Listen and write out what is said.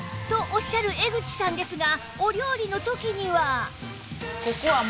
おっしゃる江口さんですがお料理の時には